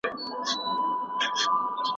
خلګو له نورو سره په حلیمۍ چلند کاوه.